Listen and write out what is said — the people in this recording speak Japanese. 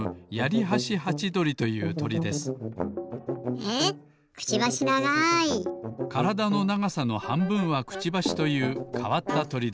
えっくちばしながい！からだのながさのはんぶんはくちばしというかわったとりです。